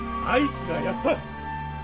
あいつが殺った。